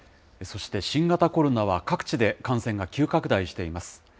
そして、新型コロナは各地で感染が急拡大しています。